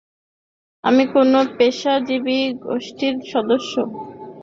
আমি কোন পেশাজীবী গোষ্ঠীর সদস্য, দৃশ্যমান সবকিছুতেই হয়তো সেটি প্রকাশ পাচ্ছে।